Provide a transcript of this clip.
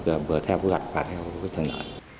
vừa theo quy định